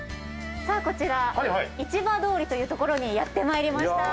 こちら市場通りという所にやって参りました。